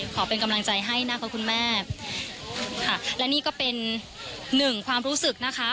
ขอเป็นกำลังใจให้นะคะคุณแม่ค่ะและนี่ก็เป็นหนึ่งความรู้สึกนะคะ